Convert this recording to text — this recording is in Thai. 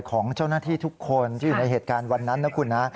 ของเจ้าหน้าที่ทุกคนที่อยู่ในเหตุการณ์วันนั้นนะคุณนะ